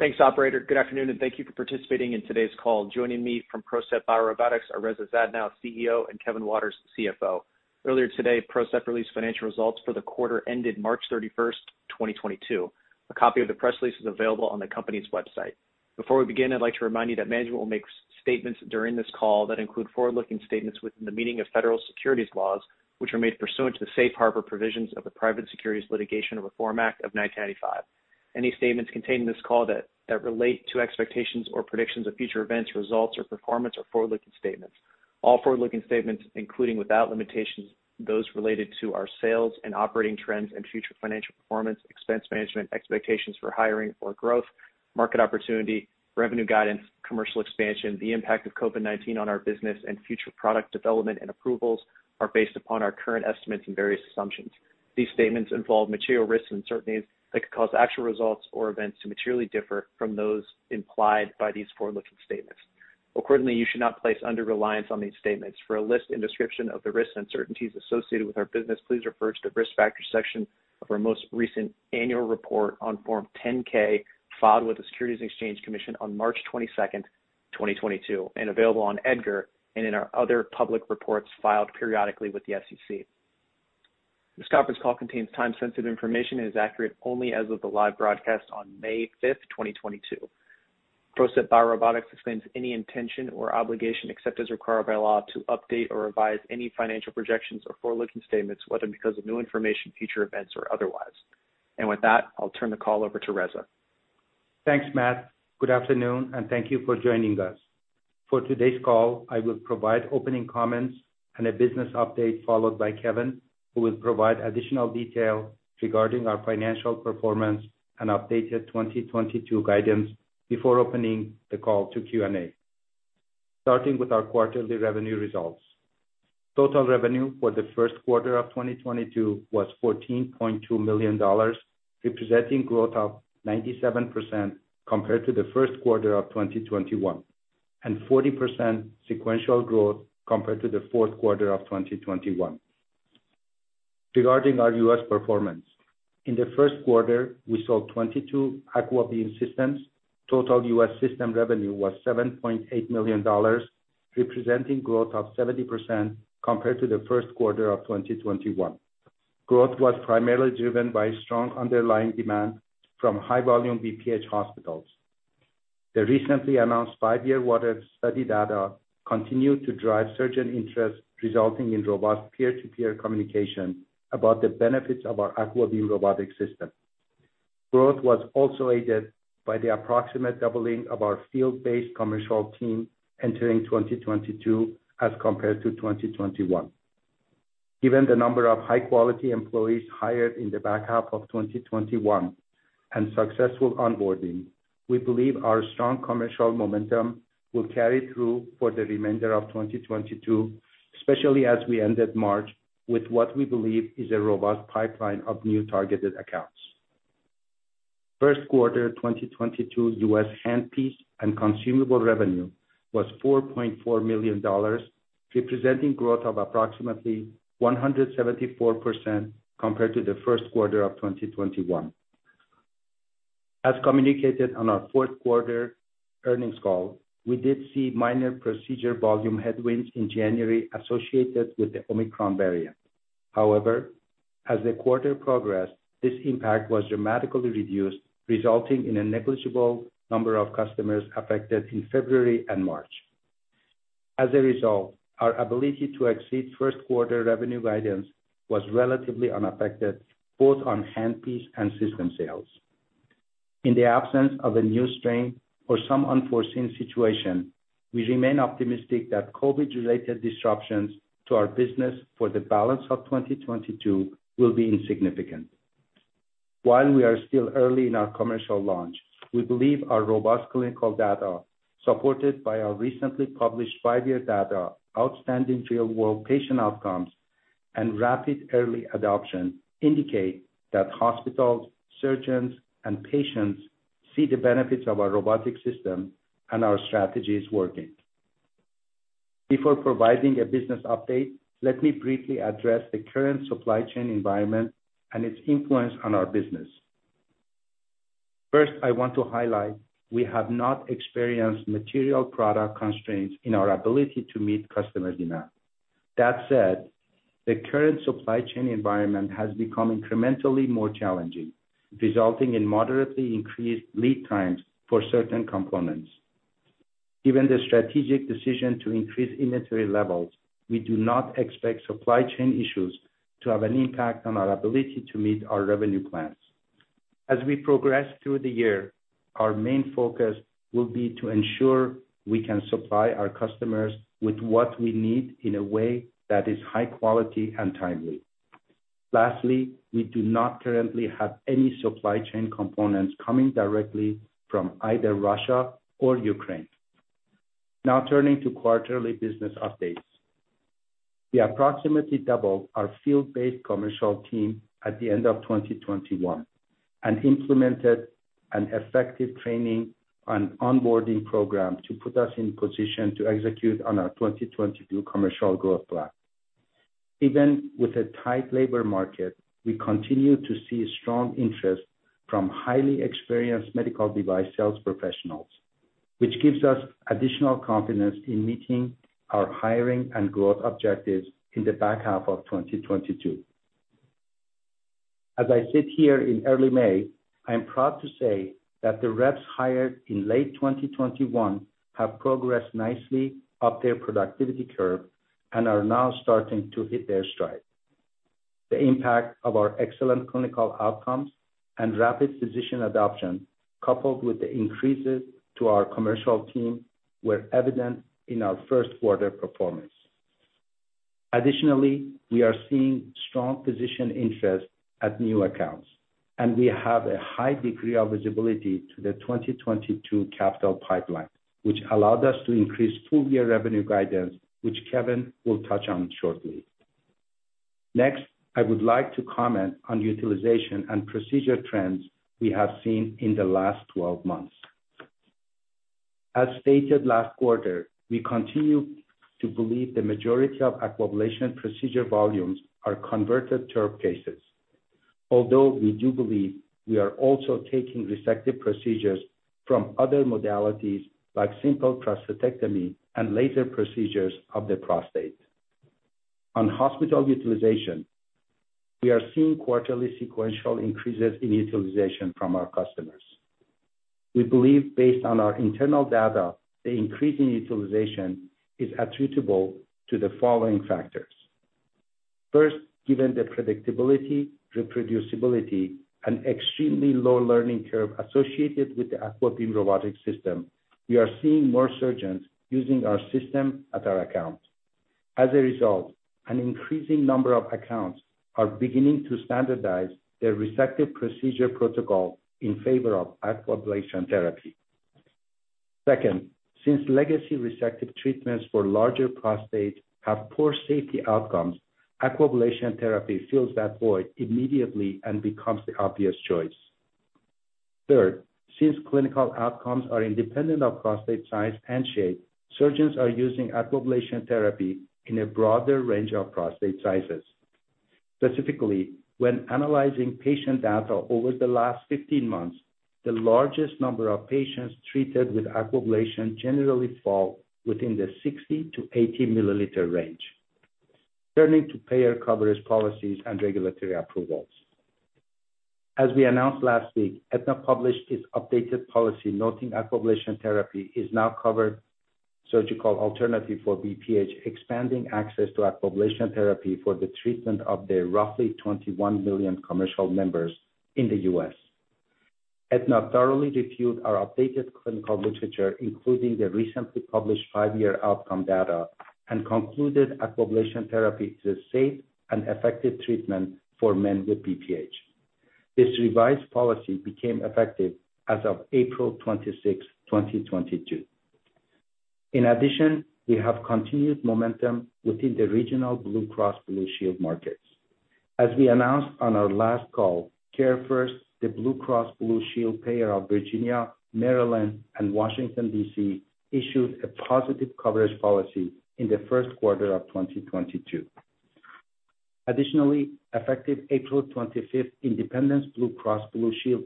Thanks, operator. Good afternoon, and thank you for participating in today's call. Joining me from PROCEPT BioRobotics are Reza Zadno, CEO, and Kevin Waters, CFO. Earlier today, PROCEPT released financial results for the quarter ended March 31st, 2022. A copy of the press release is available on the company's website. Before we begin, I'd like to remind you that management will make statements during this call that include forward-looking statements within the meaning of federal securities laws, which are made pursuant to the safe harbor provisions of the Private Securities Litigation Reform Act of 1995. Any statements contained in this call that relate to expectations or predictions of future events, results, or performance are forward-looking statements. All forward-looking statements, including without limitations, those related to our sales and operating trends and future financial performance, expense management, expectations for hiring or growth, market opportunity, revenue guidance, commercial expansion, the impact of COVID-19 on our business, and future product development and approvals are based upon our current estimates and various assumptions. These statements involve material risks and uncertainties that could cause actual results or events to materially differ from those implied by these forward-looking statements. Accordingly, you should not place undue reliance on these statements. For a list and description of the risks and uncertainties associated with our business, please refer to the risk factor section of our most recent annual report on Form 10-K filed with the Securities and Exchange Commission on March 22nd, 2022, and available on EDGAR and in our other public reports filed periodically with the SEC. This conference call contains time-sensitive information and is accurate only as of the live broadcast on May 5th, 2022. PROCEPT BioRobotics disclaims any intention or obligation except as required by law to update or revise any financial projections or forward-looking statements, whether because of new information, future events, or otherwise. And with that, I'll turn the call over to Reza. Thanks, Matt. Good afternoon, and thank you for joining us. For today's call, I will provide opening comments and a business update followed by Kevin, who will provide additional detail regarding our financial performance and updated 2022 guidance before opening the call to Q&A. Starting with our quarterly revenue results, total revenue for the first quarter of 2022 was $14.2 million, representing growth of 97% compared to the first quarter of 2021, and 40% sequential growth compared to the fourth quarter of 2021. Regarding our U.S. performance, in the first quarter, we sold 22 AquaBeam systems. Total U.S. system revenue was $7.8 million, representing growth of 70% compared to the first quarter of 2021. Growth was primarily driven by strong underlying demand from high-volume BPH hospitals. The recently announced five-year WATER study data continued to drive surge in interest, resulting in robust peer-to-peer communication about the benefits of our AquaBeam Robotic System. Growth was also aided by the approximate doubling of our field-based commercial team entering 2022 as compared to 2021. Given the number of high-quality employees hired in the back half of 2021 and successful onboarding, we believe our strong commercial momentum will carry through for the remainder of 2022, especially as we ended March with what we believe is a robust pipeline of new targeted accounts. First quarter 2022 U.S. handpiece and consumable revenue was $4.4 million, representing growth of approximately 174% compared to the first quarter of 2021. As communicated on our fourth quarter earnings call, we did see minor procedure volume headwinds in January associated with the Omicron variant. However, as the quarter progressed, this impact was dramatically reduced, resulting in a negligible number of customers affected in February and March. As a result, our ability to exceed first quarter revenue guidance was relatively unaffected both on handpiece and system sales. In the absence of a new strain or some unforeseen situation, we remain optimistic that COVID-related disruptions to our business for the balance of 2022 will be insignificant. While we are still early in our commercial launch, we believe our robust clinical data, supported by our recently published five-year data, outstanding real-world patient outcomes, and rapid early adoption indicate that hospitals, surgeons, and patients see the benefits of our robotic system and our strategy is working. Before providing a business update, let me briefly address the current supply chain environment and its influence on our business. First, I want to highlight we have not experienced material product constraints in our ability to meet customer demand. That said, the current supply chain environment has become incrementally more challenging, resulting in moderately increased lead times for certain components. Given the strategic decision to increase inventory levels, we do not expect supply chain issues to have an impact on our ability to meet our revenue plans. As we progress through the year, our main focus will be to ensure we can supply our customers with what we need in a way that is high quality and timely. Lastly, we do not currently have any supply chain components coming directly from either Russia or Ukraine. Now turning to quarterly business updates, we approximately doubled our field-based commercial team at the end of 2021 and implemented an effective training and onboarding program to put us in position to execute on our 2022 commercial growth plan. Even with a tight labor market, we continue to see strong interest from highly experienced medical device sales professionals, which gives us additional confidence in meeting our hiring and growth objectives in the back half of 2022. As I sit here in early May, I'm proud to say that the reps hired in late 2021 have progressed nicely up their productivity curve and are now starting to hit their stride. The impact of our excellent clinical outcomes and rapid physician adoption, coupled with the increases to our commercial team, were evident in our first quarter performance. Additionally, we are seeing strong physician interest at new accounts, and we have a high degree of visibility to the 2022 capital pipeline, which allowed us to increase full-year revenue guidance, which Kevin will touch on shortly. Next, I would like to comment on utilization and procedure trends we have seen in the last 12 months. As stated last quarter, we continue to believe the majority of Aquablation procedure volumes are converted TURP cases, although we do believe we are also taking resective procedures from other modalities like simple prostatectomy and laser procedures of the prostate. On hospital utilization, we are seeing quarterly sequential increases in utilization from our customers. We believe, based on our internal data, the increase in utilization is attributable to the following factors. First, given the predictability, reproducibility, and extremely low learning curve associated with the AquaBeam Robotic System, we are seeing more surgeons using our system at our account. As a result, an increasing number of accounts are beginning to standardize their resective procedure protocol in favor of Aquablation therapy. Second, since legacy resective treatments for larger prostates have poor safety outcomes, Aquablation therapy fills that void immediately and becomes the obvious choice. Third, since clinical outcomes are independent of prostate size and shape, surgeons are using Aquablation therapy in a broader range of prostate sizes. Specifically, when analyzing patient data over the last 15 months, the largest number of patients treated with Aquablation generally fall within the 60 to 80 milliliter range, turning to payer coverage policies and regulatory approvals. As we announced last week, Aetna published its updated policy noting Aquablation therapy is now a covered surgical alternative for BPH, expanding access to Aquablation therapy for the treatment of the roughly 21 million commercial members in the U.S. Aetna thoroughly reviewed our updated clinical literature, including the recently published five-year outcome data, and concluded Aquablation therapy is a safe and effective treatment for men with BPH. This revised policy became effective as of April 26, 2022. In addition, we have continued momentum within the regional Blue Cross Blue Shield markets. As we announced on our last call, CareFirst BlueCross BlueShield, the Blue Cross Blue Shield payer of Virginia, Maryland, and Washington, D.C., issued a positive coverage policy in the first quarter of 2022. Additionally, effective April 25th, Independence Blue Cross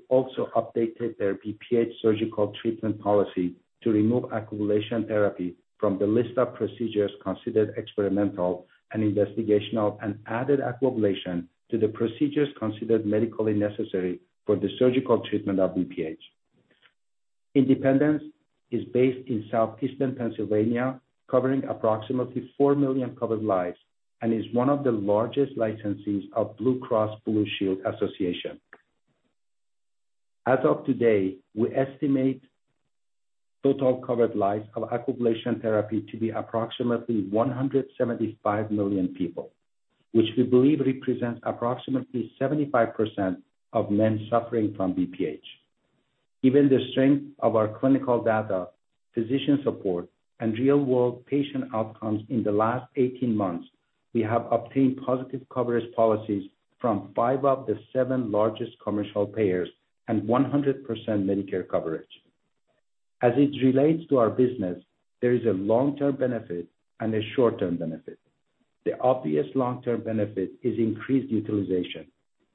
also updated their BPH surgical treatment policy to remove aquablation therapy from the list of procedures considered experimental and investigational and added aquablation to the procedures considered medically necessary for the surgical treatment of BPH. Independence is based in southeastern Pennsylvania, covering approximately four million covered lives, and is one of the largest licensees of Blue Cross Blue Shield Association. As of today, we estimate total covered lives of aquablation therapy to be approximately 175 million people, which we believe represents approximately 75% of men suffering from BPH. Given the strength of our clinical data, physician support, and real-world patient outcomes in the last 18 months, we have obtained positive coverage policies from five of the seven largest commercial payers and 100% Medicare coverage. As it relates to our business, there is a long-term benefit and a short-term benefit. The obvious long-term benefit is increased utilization,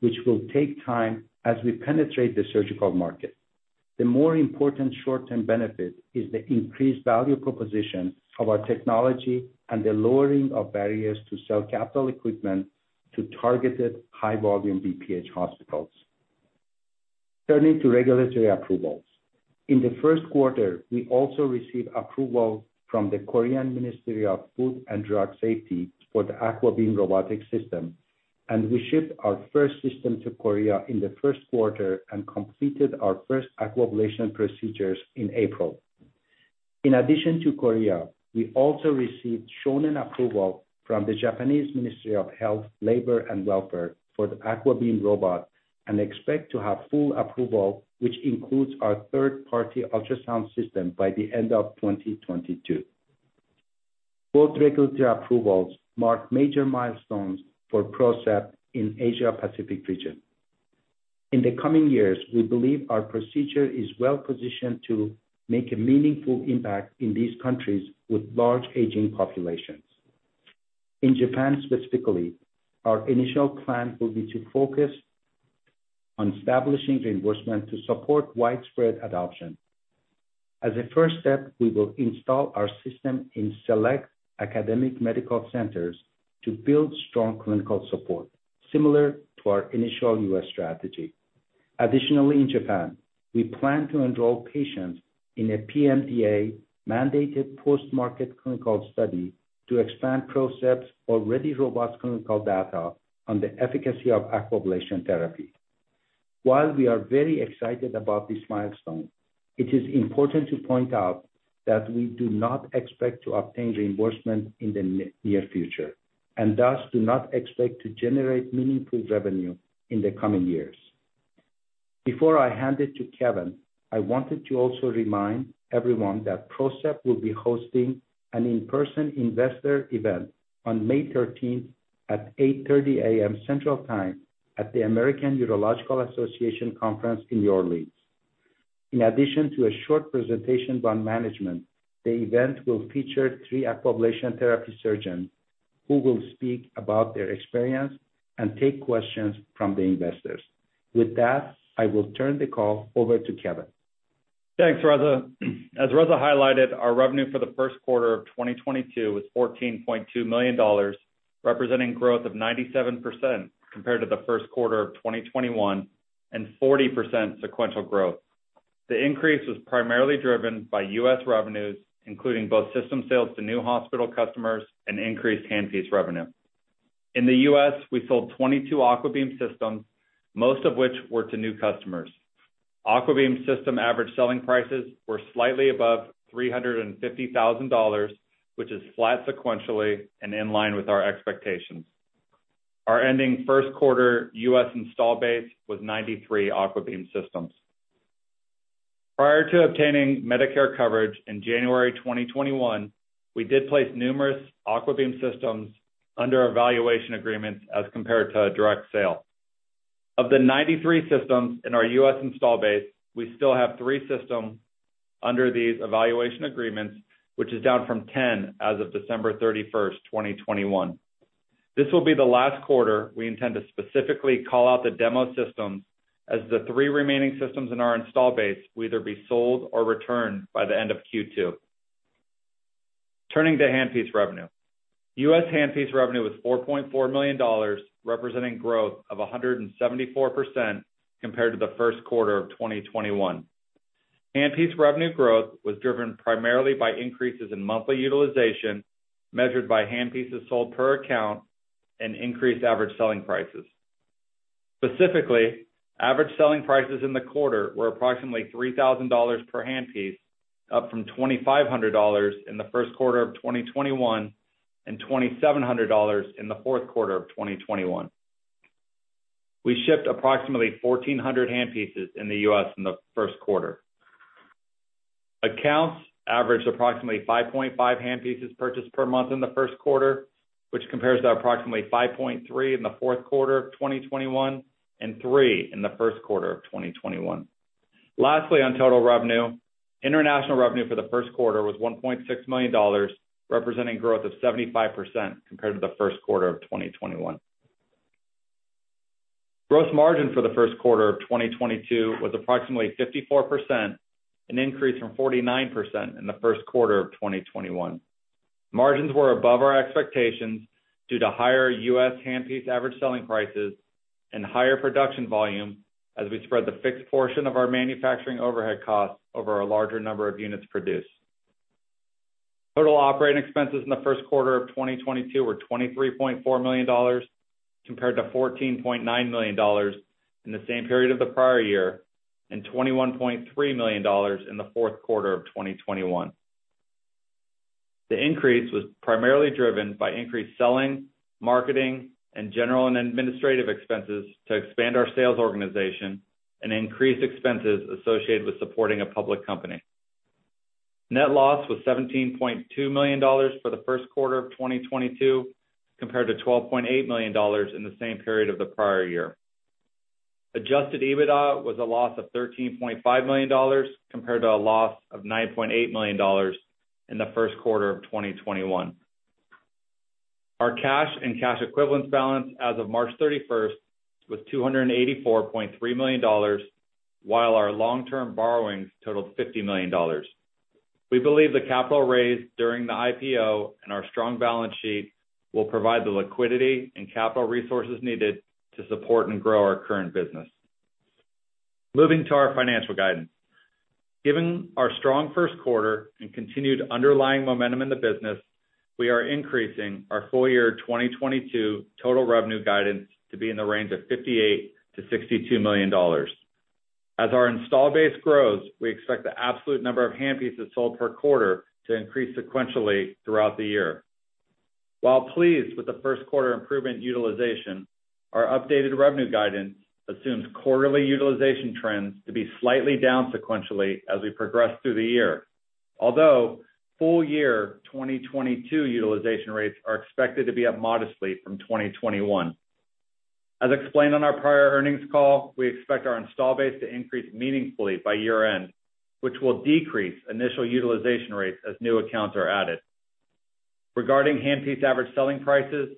which will take time as we penetrate the surgical market. The more important short-term benefit is the increased value proposition of our technology and the lowering of barriers to sell capital equipment to targeted high-volume BPH hospitals. Turning to regulatory approvals, in the first quarter, we also received approval from the Korean Ministry of Food and Drug Safety for the AquaBeam Robotic System, and we shipped our first system to Korea in the first quarter and completed our first Aquablation procedures in April. In addition to Korea, we also received Shonin approval from the Japanese Ministry of Health, Labour and Welfare for the AquaBeam robot and expect to have full approval, which includes our third-party ultrasound system by the end of 2022. Both regulatory approvals mark major milestones for PROCEPT in the Asia-Pacific region. In the coming years, we believe our procedure is well positioned to make a meaningful impact in these countries with large aging populations. In Japan specifically, our initial plan will be to focus on establishing reimbursement to support widespread adoption. As a first step, we will install our system in select academic medical centers to build strong clinical support, similar to our initial U.S. strategy. Additionally, in Japan, we plan to enroll patients in a PMDA-mandated post-market clinical study to expand PROCEPT's already robust clinical data on the efficacy of aquablation therapy. While we are very excited about this milestone, it is important to point out that we do not expect to obtain reimbursement in the near future and thus do not expect to generate meaningful revenue in the coming years. Before I hand it to Kevin, I wanted to also remind everyone that PROCEPT will be hosting an in-person investor event on May 13th at 8:30 A.M. Central Time at the American Urological Association Conference in New Orleans. In addition to a short presentation by management, the event will feature three aquablation therapy surgeons who will speak about their experience and take questions from the investors. With that, I will turn the call over to Kevin. Thanks, Reza. As Reza highlighted, our revenue for the first quarter of 2022 was $14.2 million, representing growth of 97% compared to the first quarter of 2021 and 40% sequential growth. The increase was primarily driven by U.S. revenues, including both system sales to new hospital customers and increased handpiece revenue. In the U.S., we sold 22 AquaBeam systems, most of which were to new customers. AquaBeam system average selling prices were slightly above $350,000, which is flat sequentially and in line with our expectations. Our ending first quarter U.S. install base was 93 AquaBeam systems. Prior to obtaining Medicare coverage in January 2021, we did place numerous AquaBeam systems under evaluation agreements as compared to a direct sale. Of the 93 systems in our U.S. Installed base, we still have three systems under these evaluation agreements, which is down from 10 as of December 31st, 2021. This will be the last quarter we intend to specifically call out the demo systems, as the three remaining systems in our installed base will either be sold or returned by the end of Q2. Turning to handpiece revenue, U.S. handpiece revenue was $4.4 million, representing growth of 174% compared to the first quarter of 2021. Handpiece revenue growth was driven primarily by increases in monthly utilization measured by handpieces sold per account and increased average selling prices. Specifically, average selling prices in the quarter were approximately $3,000 per handpiece, up from $2,500 in the first quarter of 2021 and $2,700 in the fourth quarter of 2021. We shipped approximately 1,400 handpieces in the U.S. in the first quarter. Accounts averaged approximately 5.5 handpieces purchased per month in the first quarter, which compares to approximately 5.3 in the fourth quarter of 2021 and 3 in the first quarter of 2021. Lastly, on total revenue, international revenue for the first quarter was $1.6 million, representing growth of 75% compared to the first quarter of 2021. Gross margin for the first quarter of 2022 was approximately 54%, an increase from 49% in the first quarter of 2021. Margins were above our expectations due to higher U.S. handpiece average selling prices and higher production volume as we spread the fixed portion of our manufacturing overhead costs over a larger number of units produced. Total operating expenses in the first quarter of 2022 were $23.4 million compared to $14.9 million in the same period of the prior year and $21.3 million in the fourth quarter of 2021. The increase was primarily driven by increased selling, marketing, and general and administrative expenses to expand our sales organization and increased expenses associated with supporting a public company. Net loss was $17.2 million for the first quarter of 2022 compared to $12.8 million in the same period of the prior year. Adjusted EBITDA was a loss of $13.5 million compared to a loss of $9.8 million in the first quarter of 2021. Our cash and cash equivalents balance as of March 31st was $284.3 million, while our long-term borrowings totaled $50 million. We believe the capital raised during the IPO and our strong balance sheet will provide the liquidity and capital resources needed to support and grow our current business. Moving to our financial guidance. Given our strong first quarter and continued underlying momentum in the business, we are increasing our full year 2022 total revenue guidance to be in the range of $58 to 62 million. As our install base grows, we expect the absolute number of handpieces sold per quarter to increase sequentially throughout the year. While pleased with the first quarter improvement utilization, our updated revenue guidance assumes quarterly utilization trends to be slightly down sequentially as we progress through the year, although full year 2022 utilization rates are expected to be up modestly from 2021. As explained on our prior earnings call, we expect our install base to increase meaningfully by year-end, which will decrease initial utilization rates as new accounts are added. Regarding handpiece average selling prices,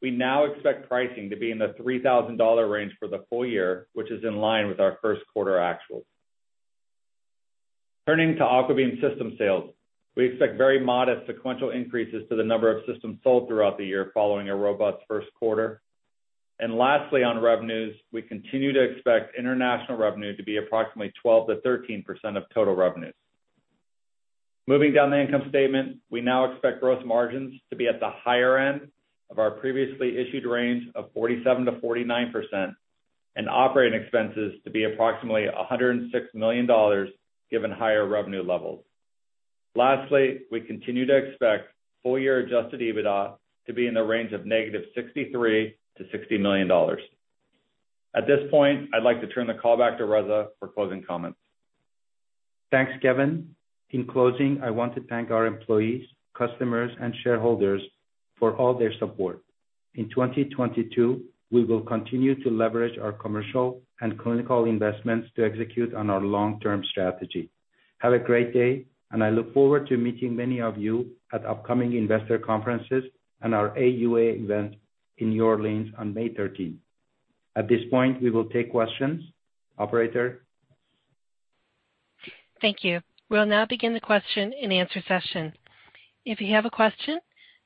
we now expect pricing to be in the $3,000 range for the full year, which is in line with our first quarter actuals. Turning to AquaBeam system sales, we expect very modest sequential increases to the number of systems sold throughout the year following a robust first quarter. And lastly, on revenues, we continue to expect international revenue to be approximately 12% to 13% of total revenues. Moving down the income statement, we now expect gross margins to be at the higher end of our previously issued range of 47% to 49% and operating expenses to be approximately $106 million given higher revenue levels. Lastly, we continue to expect full year Adjusted EBITDA to be in the range of -$63 to -60 million. At this point, I'd like to turn the call back to Reza for closing comments. Thanks, Kevin. In closing, I want to thank our employees, customers, and shareholders for all their support. In 2022, we will continue to leverage our commercial and clinical investments to execute on our long-term strategy. Have a great day, and I look forward to meeting many of you at upcoming investor conferences and our AUA event in New Orleans on May 13th. At this point, we will take questions. Operator. Thank you. We'll now begin the question and answer session. If you have a question,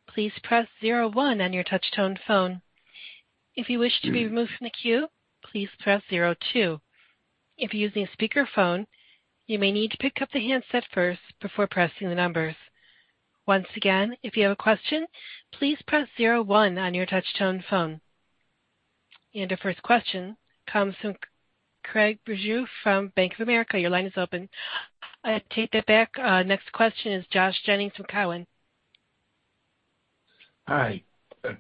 please press 01 on your touch-tone phone. If you wish to be removed from the queue, please press 02. If you're using a speakerphone, you may need to pick up the handset first before pressing the numbers. Once again, if you have a question, please press 01 on your touch-tone phone. And our first question comes from Craig Bijou from Bank of America. Your line is open. I take that back. Next question is Josh Jennings from Cowen. Hi.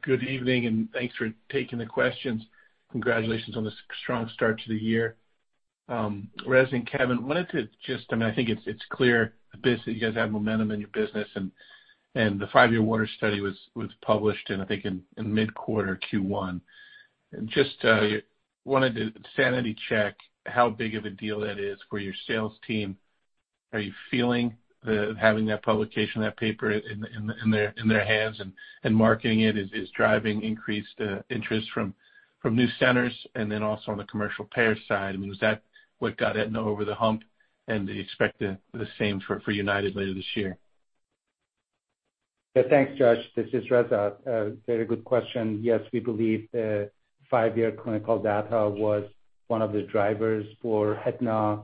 Good evening, and thanks for taking the questions. Congratulations on this strong start to the year. Reza and Kevin, wanted to just, I mean, I think it's clear a bit that you guys have momentum in your business, and the five-year WATER study was published, and I think in mid-quarter Q1. And just wanted to sanity check how big of a deal that is for your sales team. Are you feeling having that publication, that paper in their hands and marketing it is driving increased interest from new centers and then also on the commercial payer side? I mean, was that what got Aetna over the hump, and do you expect the same for United later this year? Yeah, thanks, Josh. This is Reza. Very good question. Yes, we believe the five-year clinical data was one of the drivers for Aetna.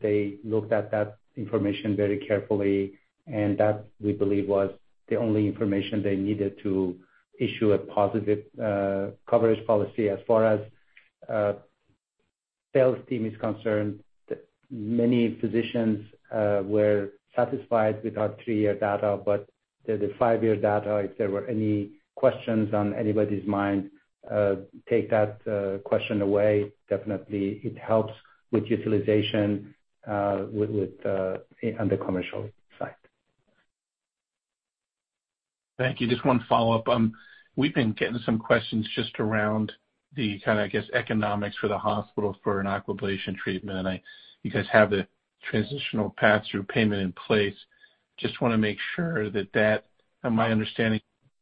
They looked at that information very carefully, and that we believe was the only information they needed to issue a positive coverage policy. As far as sales team is concerned, many physicians were satisfied with our three-year data, but the five-year data, if there were any questions on anybody's mind, take that question away. Definitely, it helps with utilization on the commercial side. Thank you. Just one follow-up. We've been getting some questions just around the kind of, I guess, economics for the hospital for an aquablation treatment, and you guys have the transitional pass-through payment in place. Just want to make sure that that, my understanding,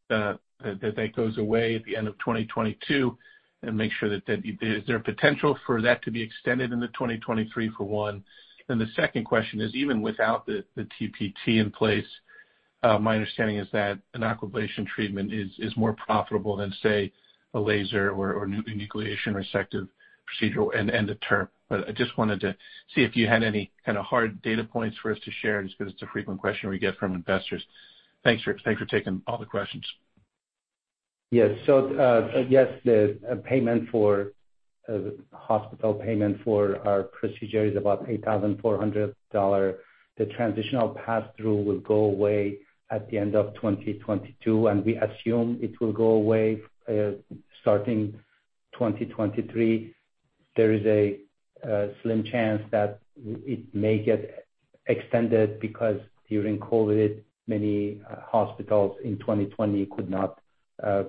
that that goes away at the end of 2022 and make sure that is there a potential for that to be extended into 2023 for one? And the second question is, even without the TPT in place, my understanding is that an aquablation treatment is more profitable than, say, a laser enucleation resective procedure in the end. But I just wanted to see if you had any kind of hard data points for us to share just because it's a frequent question we get from investors. Thanks for taking all the questions. Yes. So yes, the payment for the hospital payment for our procedure is about $8,400. The Transitional Pass-Through will go away at the end of 2022, and we assume it will go away starting 2023. There is a slim chance that it may get extended because during COVID, many hospitals in 2020 could not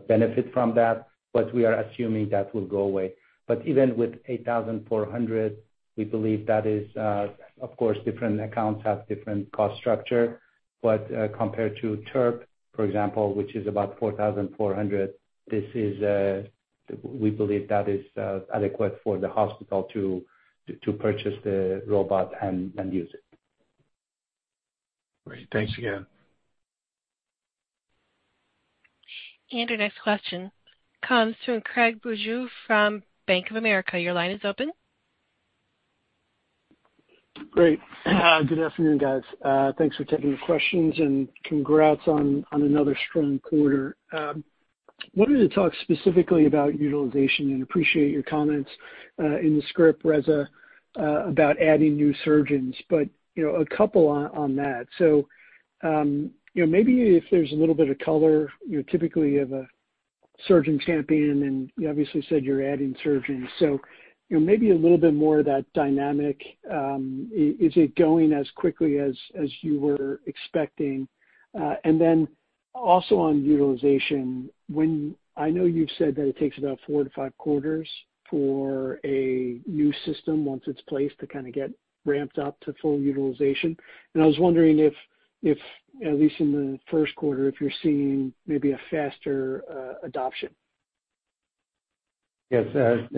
benefit from that, but we are assuming that will go away. But even with $8,400, we believe that is, of course, different accounts have different cost structure. But compared to TURP, for example, which is about $4,400, this is, we believe that is adequate for the hospital to purchase the robot and use it. Great. Thanks again. Our next question comes from Craig Bijou from Bank of America. Your line is open. Great. Good afternoon, guys. Thanks for taking the questions and congrats on another strong quarter. Wanted to talk specifically about utilization and appreciate your comments in the script, Reza, about adding new surgeons, but a couple on that. So maybe if there's a little bit of color, you typically have a surgeon champion, and you obviously said you're adding surgeons. So maybe a little bit more of that dynamic. Is it going as quickly as you were expecting? And then also on utilization, I know you've said that it takes about four to five quarters for a new system once it's placed to kind of get ramped up to full utilization. And I was wondering if, at least in the first quarter, if you're seeing maybe a faster adoption. Yes.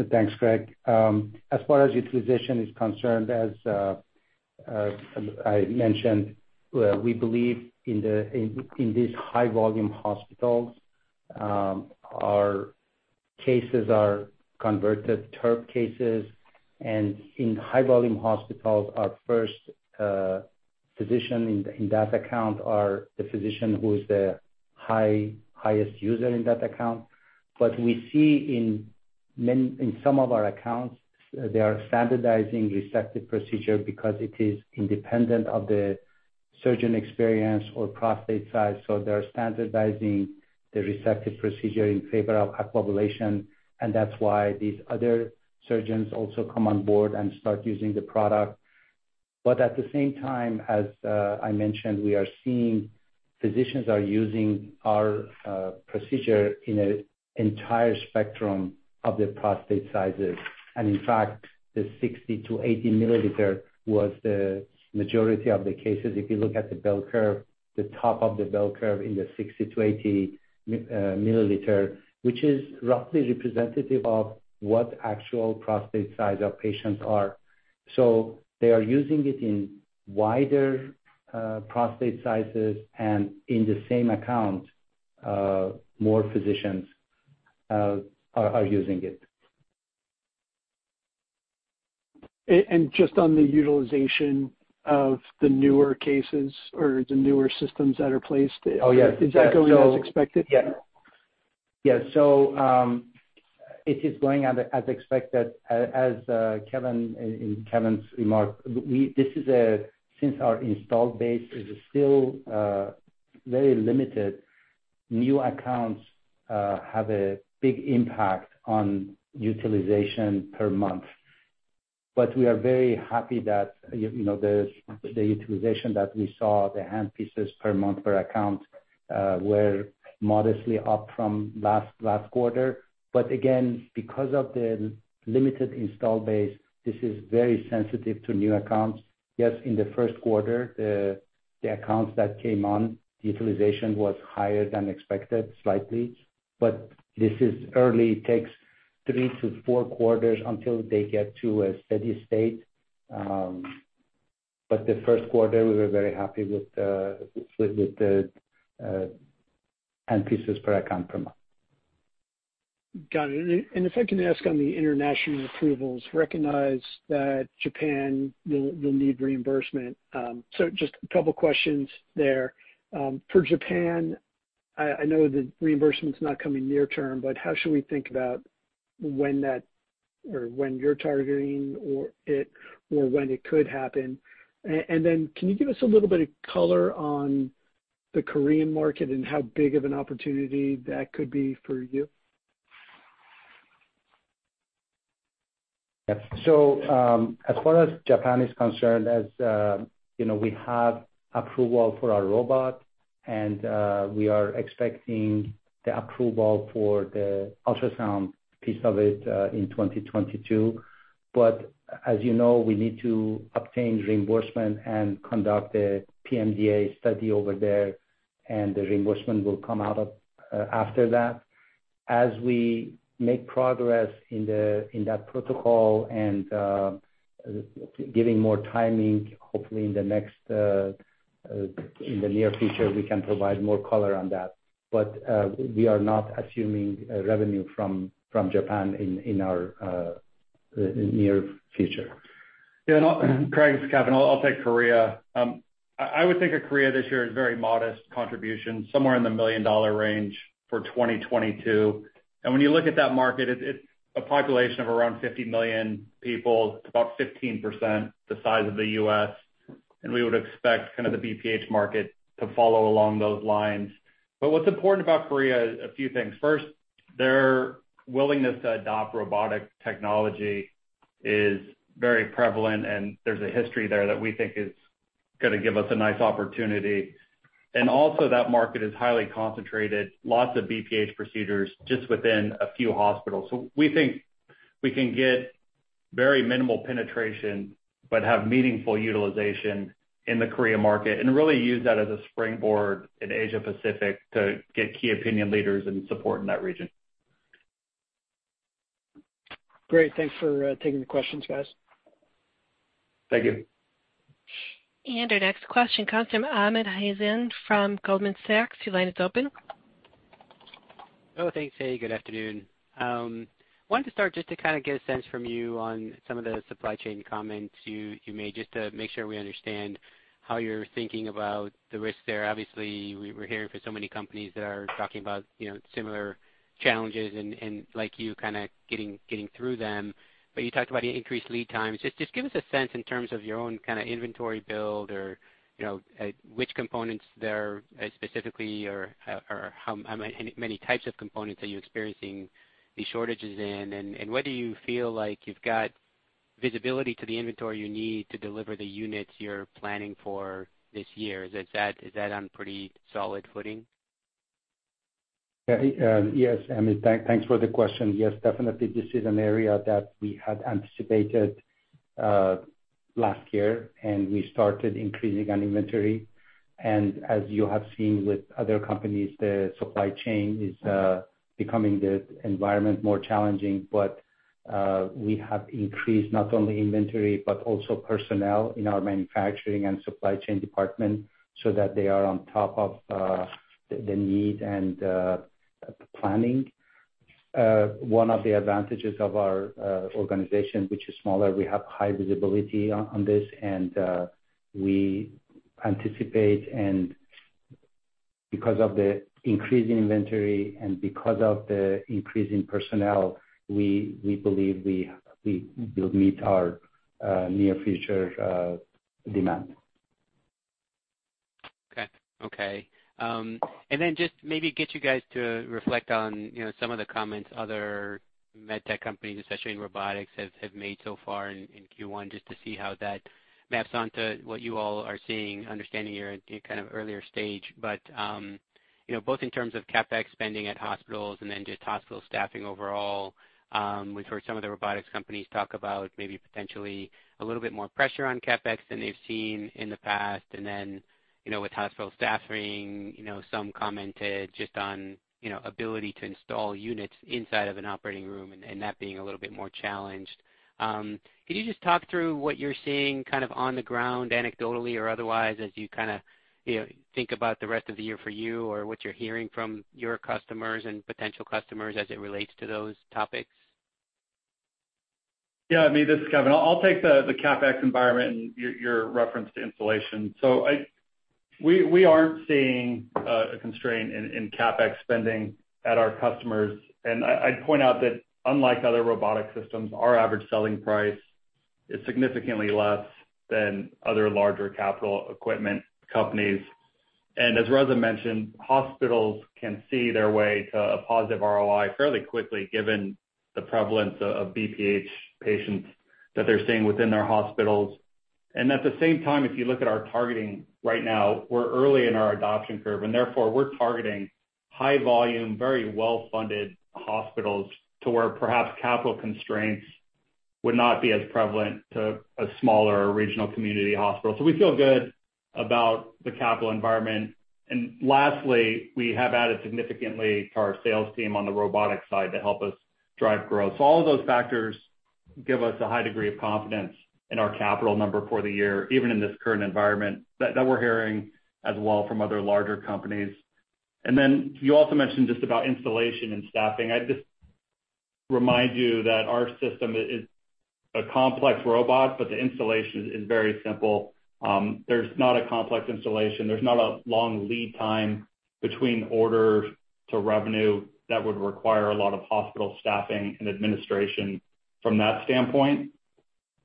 Thanks, Craig. As far as utilization is concerned, as I mentioned, we believe in these high-volume hospitals, our cases are converted TURP cases. And in high-volume hospitals, our first physician in that account is the physician who is the highest user in that account. But we see in some of our accounts, they are standardizing resective procedure because it is independent of the surgeon experience or prostate size. So they're standardizing the resective procedure in favor of Aquablation, and that's why these other surgeons also come on board and start using the product. But at the same time, as I mentioned, we are seeing physicians are using our procedure in an entire spectrum of the prostate sizes. And in fact, the 60 to 80 milliliter was the majority of the cases. If you look at the bell curve, the top of the bell curve in the 60 to 80 milliliters, which is roughly representative of what actual prostate size our patients are. So they are using it in wider prostate sizes, and in the same account, more physicians are using it. Just on the utilization of the newer cases or the newer systems that are placed, is that going as expected? Yes. So it is going as expected, as Kevin mentioned in his remarks. Since our installed base is still very limited, new accounts have a big impact on utilization per month. But we are very happy that the utilization that we saw, the handpieces per month per account, were modestly up from last quarter. But again, because of the limited installed base, this is very sensitive to new accounts. Yes, in the first quarter, the accounts that came on, the utilization was higher than expected, slightly. But this is early. It takes three to four quarters until they get to a steady state. But the first quarter, we were very happy with the handpieces per account per month. Got it. And if I can ask on the international approvals, recognize that Japan will need reimbursement. So just a couple of questions there. For Japan, I know the reimbursement's not coming near term, but how should we think about when that or when you're targeting it or when it could happen? And then can you give us a little bit of color on the Korean market and how big of an opportunity that could be for you? Yeah. So as far as Japan is concerned, as we have approval for our robot, and we are expecting the approval for the ultrasound piece of it in 2022. But as you know, we need to obtain reimbursement and conduct the PMDA study over there, and the reimbursement will come out after that. As we make progress in that protocol and giving more timing, hopefully in the near future, we can provide more color on that. But we are not assuming revenue from Japan in our near future. Yeah. Craig, it's Kevin. I'll take Korea. I would think of Korea this year as very modest contribution, somewhere in the $1 million range for 2022. And when you look at that market, it's a population of around 50 million people, about 15% the size of the U.S. And we would expect kind of the BPH market to follow along those lines. But what's important about Korea is a few things. First, their willingness to adopt robotic technology is very prevalent, and there's a history there that we think is going to give us a nice opportunity. And also, that market is highly concentrated, lots of BPH procedures just within a few hospitals. So we think we can get very minimal penetration but have meaningful utilization in the Korea market and really use that as a springboard in Asia-Pacific to get key opinion leaders and support in that region. Great. Thanks for taking the questions, guys. Thank you. Our next question comes from Amit Hazan from Goldman Sachs. Your line is open. Oh, thanks, Eddie. Good afternoon. I wanted to start just to kind of get a sense from you on some of the supply chain comments you made just to make sure we understand how you're thinking about the risk there. Obviously, we're hearing from so many companies that are talking about similar challenges and, like you, kind of getting through them. But you talked about increased lead times. Just give us a sense in terms of your own kind of inventory build or which components there specifically or how many types of components are you experiencing these shortages in, and whether you feel like you've got visibility to the inventory you need to deliver the units you're planning for this year. Is that on pretty solid footing? Yes. I mean, thanks for the question. Yes, definitely. This is an area that we had anticipated last year, and we started increasing inventory. And as you have seen with other companies, the supply chain environment is becoming more challenging. But we have increased not only inventory but also personnel in our manufacturing and supply chain department so that they are on top of the need and planning. One of the advantages of our organization, which is smaller. We have high visibility on this, and we anticipate because of the increase in inventory and because of the increase in personnel, we believe we will meet our near future demand. Okay. Okay. And then just maybe get you guys to reflect on some of the comments other med tech companies, especially in robotics, have made so far in Q1 just to see how that maps on to what you all are seeing, understanding your kind of earlier stage. But both in terms of CapEx spending at hospitals and then just hospital staffing overall, we've heard some of the robotics companies talk about maybe potentially a little bit more pressure on CapEx than they've seen in the past. And then with hospital staffing, some commented just on ability to install units inside of an operating room and that being a little bit more challenged. Can you just talk through what you're seeing kind of on the ground, anecdotally or otherwise, as you kind of think about the rest of the year for you or what you're hearing from your customers and potential customers as it relates to those topics? Yeah. I mean, this is Kevin. I'll take the CapEx environment and your reference to installation. So we aren't seeing a constraint in CapEx spending at our customers. And I'd point out that unlike other robotic systems, our average selling price is significantly less than other larger capital equipment companies. And as Reza mentioned, hospitals can see their way to a positive ROI fairly quickly given the prevalence of BPH patients that they're seeing within their hospitals. And at the same time, if you look at our targeting right now, we're early in our adoption curve, and therefore, we're targeting high-volume, very well-funded hospitals to where perhaps capital constraints would not be as prevalent to a smaller regional community hospital. So we feel good about the capital environment. And lastly, we have added significantly to our sales team on the robotics side to help us drive growth. So all of those factors give us a high degree of confidence in our capital number for the year, even in this current environment that we're hearing as well from other larger companies. And then you also mentioned just about installation and staffing. I'd just remind you that our system is a complex robot, but the installation is very simple. There's not a complex installation. There's not a long lead time between orders to revenue that would require a lot of hospital staffing and administration from that standpoint.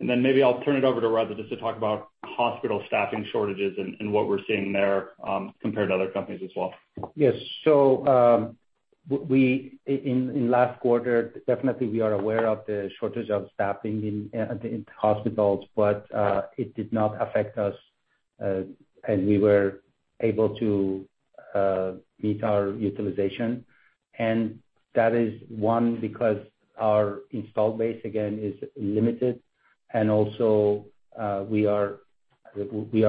And then maybe I'll turn it over to Reza just to talk about hospital staffing shortages and what we're seeing there compared to other companies as well. Yes. So in last quarter, definitely, we are aware of the shortage of staffing in hospitals, but it did not affect us, and we were able to meet our utilization. And that is, one, because our installed base, again, is limited. And also, we are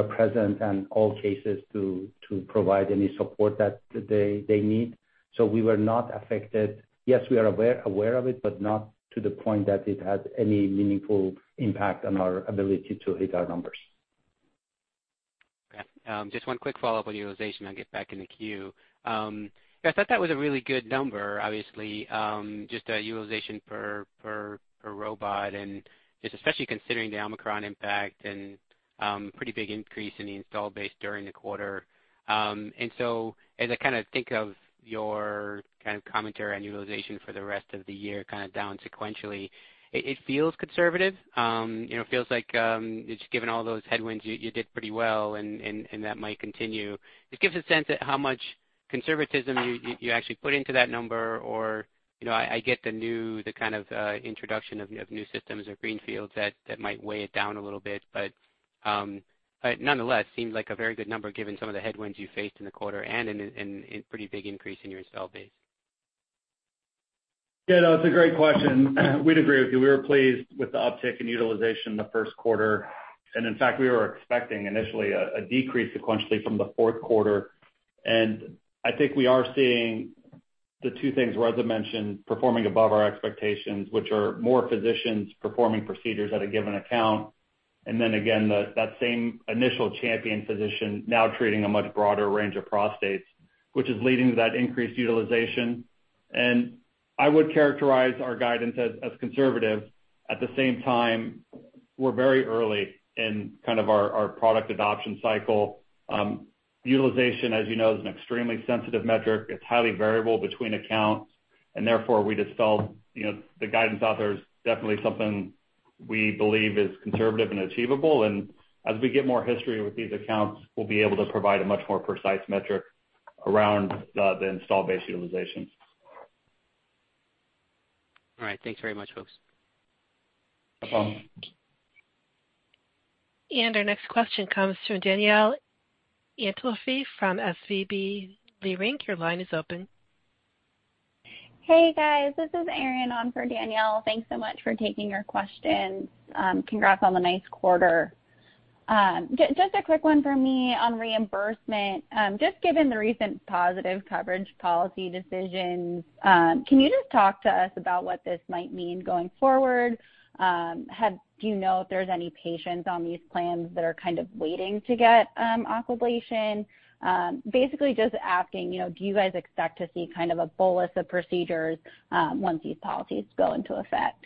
present in all cases to provide any support that they need. So we were not affected. Yes, we are aware of it, but not to the point that it had any meaningful impact on our ability to hit our numbers. Okay. Just one quick follow-up on utilization. I'll get back in the queue. Yeah. I thought that was a really good number, obviously, just utilization per robot and just especially considering the Omicron impact and pretty big increase in the installed base during the quarter, and so as I kind of think of your kind of commentary on utilization for the rest of the year kind of down sequentially, it feels conservative. It feels like just given all those headwinds, you did pretty well, and that might continue. It gives a sense of how much conservatism you actually put into that number, or I get the kind of introduction of new systems or greenfields that might weigh it down a little bit, but nonetheless, it seemed like a very good number given some of the headwinds you faced in the quarter and a pretty big increase in your installed base. Yeah. No, it's a great question. We'd agree with you. We were pleased with the uptick in utilization the first quarter. And in fact, we were expecting initially a decrease sequentially from the fourth quarter. And I think we are seeing the two things Reza mentioned performing above our expectations, which are more physicians performing procedures at a given account. And then again, that same initial champion physician now treating a much broader range of prostates, which is leading to that increased utilization. And I would characterize our guidance as conservative. At the same time, we're very early in kind of our product adoption cycle. Utilization, as you know, is an extremely sensitive metric. It's highly variable between accounts. And therefore, we just felt the guidance out there is definitely something we believe is conservative and achievable. As we get more history with these accounts, we'll be able to provide a much more precise metric around the install base utilization. All right. Thanks very much, folks. No problem. Our next question comes from Danielle Antalffy from SVB Leerink. Your line is open. Hey, guys. This is Erin on for Danielle. Thanks so much for taking your questions. Congrats on the nice quarter. Just a quick one from me on reimbursement. Just given the recent positive coverage policy decisions, can you just talk to us about what this might mean going forward? Do you know if there's any patients on these plans that are kind of waiting to get Aquablation? Basically, just asking, do you guys expect to see kind of a bolus of procedures once these policies go into effect?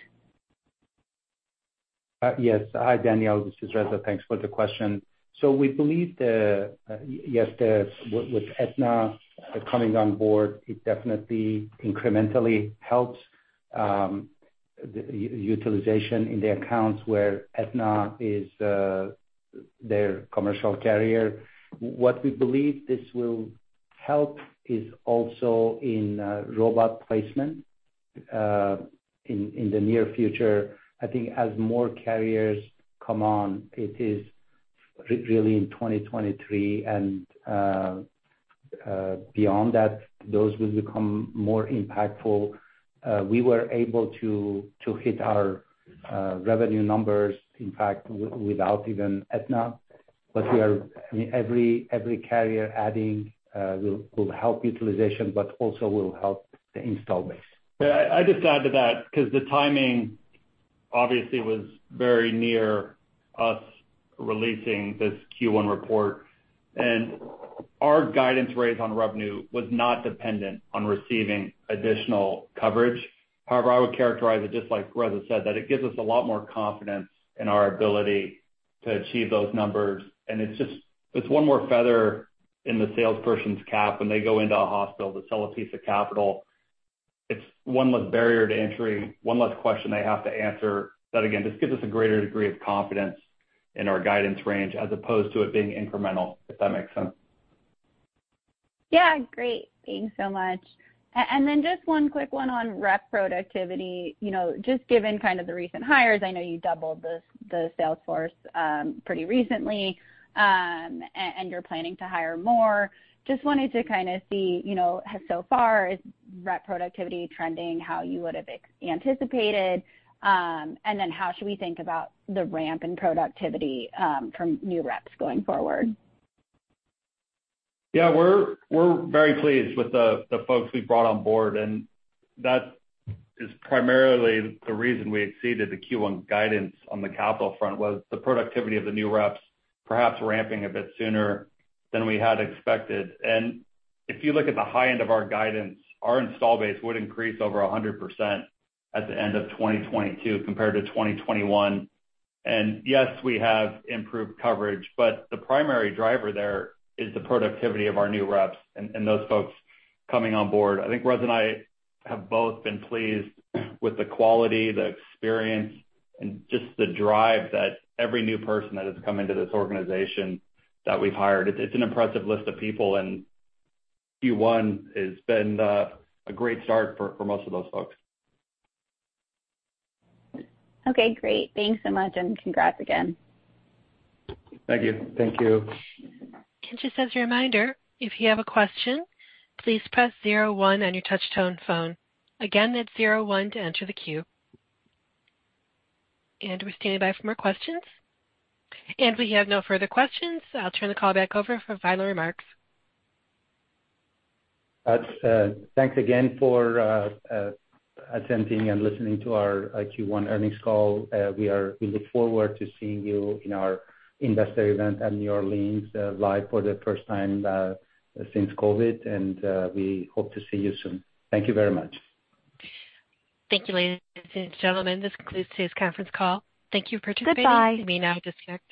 Yes. Hi, Danielle. This is Reza. Thanks for the question. So we believe, yes, with Aetna coming on board, it definitely incrementally helps utilization in the accounts where Aetna is their commercial carrier. What we believe this will help is also in robot placement in the near future. I think as more carriers come on, it is really in 2023 and beyond that, those will become more impactful. We were able to hit our revenue numbers, in fact, without even Aetna. But I mean, every carrier adding will help utilization, but also will help the install base. Yeah. I just add to that because the timing obviously was very near us releasing this Q1 report. And our guidance raise on revenue was not dependent on receiving additional coverage. However, I would characterize it, just like Reza said, that it gives us a lot more confidence in our ability to achieve those numbers. And it's one more feather in the salesperson's cap when they go into a hospital to sell a piece of capital. It's one less barrier to entry, one less question they have to answer. That, again, just gives us a greater degree of confidence in our guidance range as opposed to it being incremental, if that makes sense. Yeah. Great. Thanks so much. And then just one quick one on rep productivity. Just given kind of the recent hires, I know you doubled the sales force pretty recently, and you're planning to hire more. Just wanted to kind of see so far, is rep productivity trending how you would have anticipated? And then how should we think about the ramp in productivity from new reps going forward? Yeah. We're very pleased with the folks we've brought on board. And that is primarily the reason we exceeded the Q1 guidance on the capital front, was the productivity of the new reps perhaps ramping a bit sooner than we had expected. And if you look at the high end of our guidance, our install base would increase over 100% at the end of 2022 compared to 2021. And yes, we have improved coverage, but the primary driver there is the productivity of our new reps and those folks coming on board. I think Reza and I have both been pleased with the quality, the experience, and just the drive that every new person that has come into this organization that we've hired. It's an impressive list of people, and Q1 has been a great start for most of those folks. Okay. Great. Thanks so much, and congrats again. Thank you. Thank you. Just as a reminder, if you have a question, please press 01 on your touchtone phone. Again, that's 01 to enter the queue. We're standing by for more questions. If we have no further questions, I'll turn the call back over for final remarks. Thanks again for attending and listening to our Q1 earnings call. We look forward to seeing you in our investor event at New Orleans live for the first time since COVID, and we hope to see you soon. Thank you very much. Thank you, ladies and gentlemen. This concludes today's conference call. Thank you for participating. Goodbye. You may now disconnect.